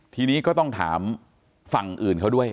ทีนี้ก็ต้องถามฝั่งอื่นเขาด้วย